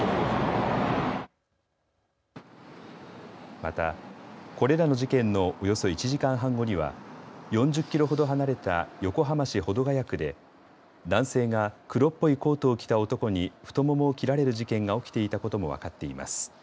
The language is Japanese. また、これらの事件のおよそ１時間半後には４０キロほど離れた横浜市保土ヶ谷区で男性が黒っぽいコートを着た男に太ももを切られる事件が起きていたことも分かっています。